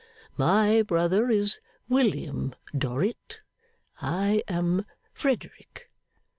My brother is William Dorrit; I am Frederick.